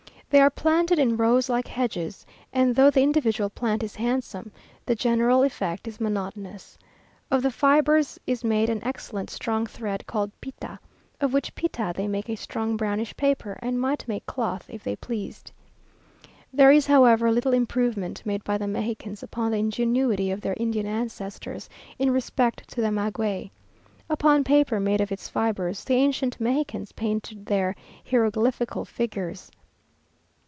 They are planted in rows like hedges, and though the individual plant is handsome, the general effect is monotonous. Of the fibres is made an excellent strong thread called pita, of which pita they make a strong brownish paper, and might make cloth if they pleased. There is, however, little improvement made by the Mexicans upon the ingenuity of their Indian ancestors, in respect to the maguey. Upon paper made of its fibres, the ancient Mexicans painted their hieroglyphical figures.